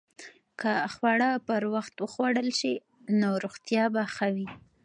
که خواړه پر وخت وخوړل شي، نو روغتیا به ښه وي.